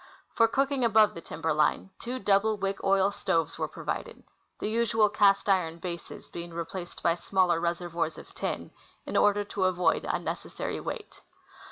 For cooking above timber line, two double wick oil stoves were provided, the usual cast iron bases being replaced b}^ smaller reservoirs of tin, in order to avoid unnecessary weight.